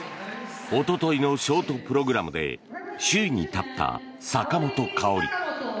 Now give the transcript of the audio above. おとといのショートプログラムで首位に立った坂本花織。